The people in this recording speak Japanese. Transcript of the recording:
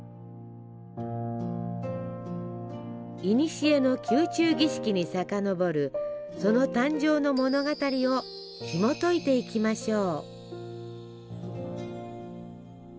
いにしえの宮中儀式に遡るその誕生の物語をひもといていきましょう。